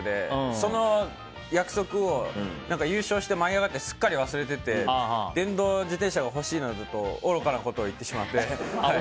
その約束を優勝して舞い上がってすっかり忘れてて電動自転車が欲しいなどと愚かなことを言ってしまって。